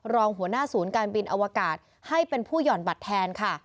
รองหัวหน้าศูนย์การบินอวกาศให้เป็นผู้ห่อนบัตรแทนค่ะ